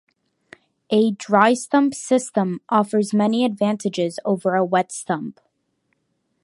A dry-sump system offers many advantages over a wet-sump.